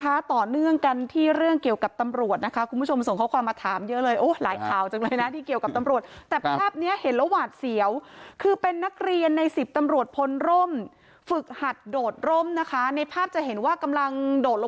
แล้วทิศปุกษาต่อเนื่องกันที่เรื่องเกี่ยวกับจริง